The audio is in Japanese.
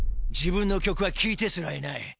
「自分の曲は聞いてすらいない。